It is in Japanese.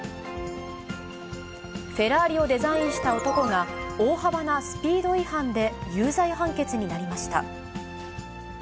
フェラーリをデザインした男が、大幅なスピード違反で有罪判決になりました。